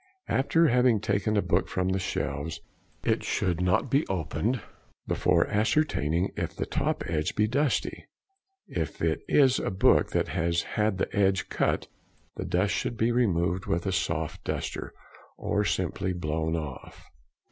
After having taken a book from the shelves it should not be opened before ascertaining if the top edge be dusty. If it is a book that has had the edge cut, the dust should be removed with a soft duster, or simply blown off.